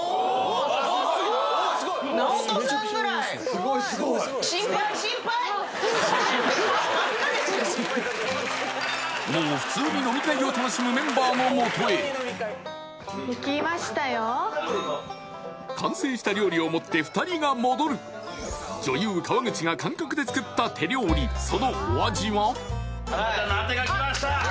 すごいすごいもう普通に飲み会を楽しむメンバーのもとへ完成した料理を持って２人が戻る女優川口が感覚で作った手料理そのお味は？